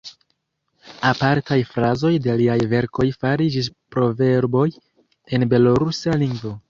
Apartaj frazoj de liaj verkoj fariĝis proverboj en belorusa lingvo.